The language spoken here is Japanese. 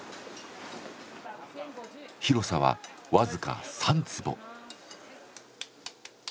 広さは僅か３坪。